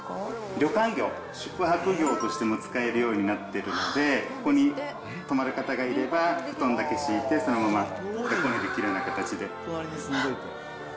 旅館業、宿泊業としても使えるようになってるので、ここに泊まる方がいれば、布団だけ敷いて、そのままお泊まりもできるような形で。